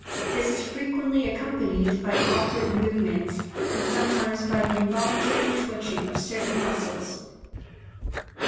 This is frequently accompanied by awkward movements, and sometimes by the involuntary twitching of certain muscles.